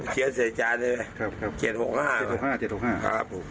พอเฉียนใส่จานด้วยครับครับ